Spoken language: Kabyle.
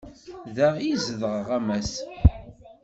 Da i zedɣeɣ, a Mass.